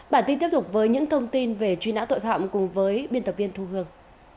bản tin tiếp tục với những thông tin về truy nã tội phạm cùng với biên tập viên thu hương